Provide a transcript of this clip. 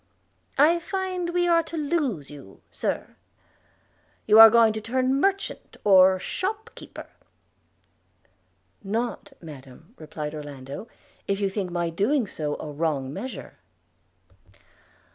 'I find we are to lose you, Sir! – you are going to turn merchant, or shop keeper!' 'Not, Madam,' replied Orlando, 'if you think my doing so a wrong measure.'